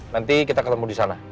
nanti kita ketemu di sana